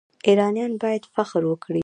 ایرانیان باید فخر وکړي.